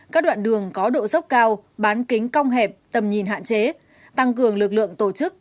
các đoạn đường có độ dốc cao bán kính cong hẹp tầm nhìn hạn chế tăng cường lực lượng tổ chức